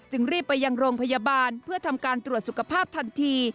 รีบไปยังโรงพยาบาลเพื่อทำการตรวจสุขภาพทันที